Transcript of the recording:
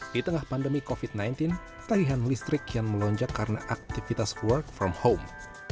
di tengah pandemi covid sembilan belas tagihan listrik kian melonjak karena aktivitas work from home